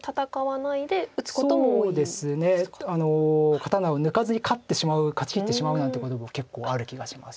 刀を抜かずに勝ってしまう勝ちきってしまうなんていうことも結構ある気がします。